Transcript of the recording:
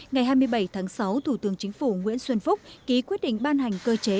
ngày hai mươi bảy tháng sáu thủ tướng chính phủ nguyễn xuân phúc ký quyết định ban hành cơ chế